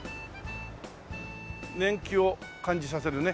年季を感じさせるね。